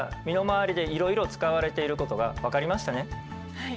はい。